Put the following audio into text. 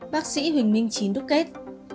bác sĩ huỳnh minh chín đúc kết